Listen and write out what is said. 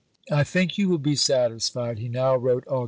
"I think you will be satisfied," he now wrote (Aug.